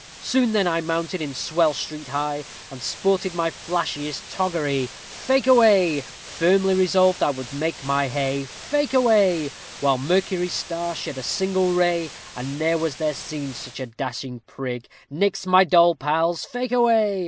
_ Soon then I mounted in swell street high, And sported my flashiest toggery, Fake away. Firmly resolved I would make my hay, Fake away, While Mercury's star shed a single ray; And ne'er was there seen such a dashing prig, _Nix my doll pals, fake away.